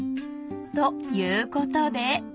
［ということで］